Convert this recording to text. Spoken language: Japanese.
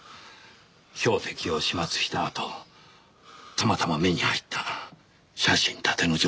標的を始末したあとたまたま目に入った写真立ての女性に目を奪われた。